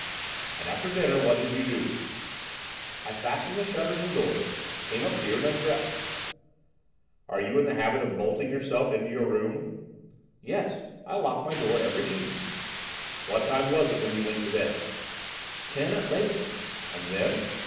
"And after dinner, what did you do?" "I fastened the shutters and doors, came up here and undressed." "Are you in the habit of bolting yourself into your room?" "Yes, I lock my door every evening." "What time was it when you went to bed?" "Ten at latest." "And then?"